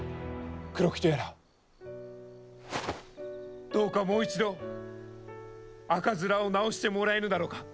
黒木とやらどうかもう一度赤面を治してもらえぬだろうか！